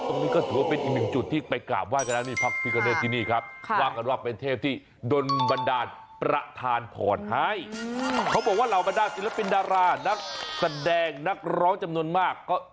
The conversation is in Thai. ตรงนี้ก็ถือว่าเป็นอีกหนึ่งจุดที่ไปกราบว่ายกันแล้ว